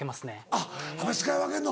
あっやっぱり使い分けるの。